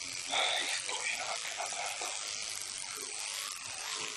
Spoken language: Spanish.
La serie violó las normas conservadoras locales.